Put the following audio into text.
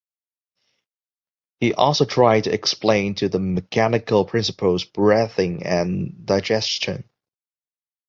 He also tried to explain to the mechanical principles breathing and digestion.